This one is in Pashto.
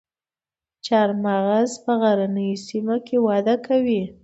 چهارمغز په غرنیو سیمو کې وده کوي